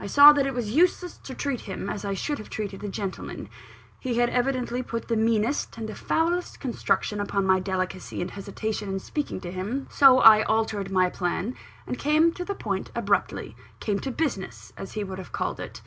I saw that it was useless to treat him as I should have treated a gentleman. He had evidently put the meanest and the foulest construction upon my delicacy and hesitation in speaking to him: so I altered my plan, and came to the point abruptly "came to business," as he would have called it.